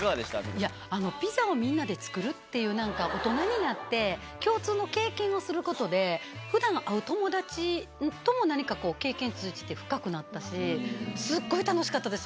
いやピザをみんなで作るっていうなんか大人になって共通の経験をすることで普段会う友達とも何かこう経験通じて深くなったしスゴい楽しかったです